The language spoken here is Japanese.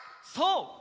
そう！